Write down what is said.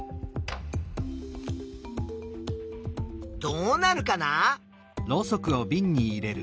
どうなるかな？